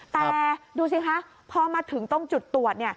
แต่ดูสิคะพอมาถึงตรงจุดตรวจ